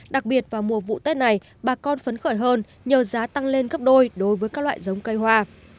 đặc biệt vào mùa vụ tết này bà con phấn khởi hơn nhờ giá tăng lên gấp đôi đối với các loại giống cây hoa